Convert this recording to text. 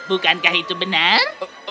bukankah itu benar